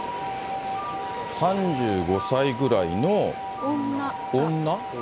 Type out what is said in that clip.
３５歳ぐらいの女？